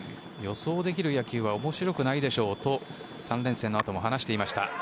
予想できる野球は面白くないでしょうと３連戦のあとも話していましたＢＩＧＢＯＳＳ。